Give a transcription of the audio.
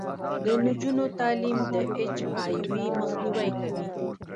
د نجونو تعلیم د اچ آی وي مخنیوی کوي.